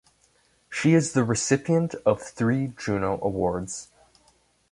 She is the recipient of three Juno awards.